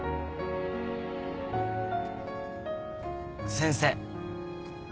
先生。